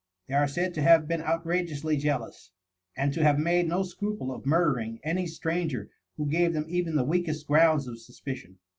They are said to have been outrageously jealous, and to have made no scruple of murdering any stranger who gave them even the weakest grounds of suspicion.